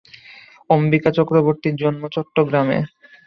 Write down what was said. অম্বিকা চক্রবর্তীর জন্ম চট্টগ্রামে।